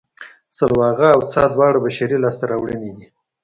سلواغه او څا دواړه بشري لاسته راوړنې دي